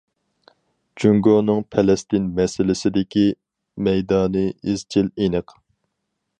جۇڭگونىڭ پەلەستىن مەسىلىسىدىكى مەيدانى ئىزچىل، ئېنىق.